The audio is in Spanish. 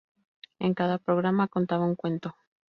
En cada programa contaba un cuento.